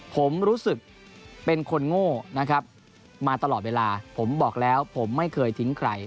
ผมรู้สึกเป็นคนโง่นะครับมาตลอดเวลาผมบอกแล้วผมไม่เคยทิ้งใคร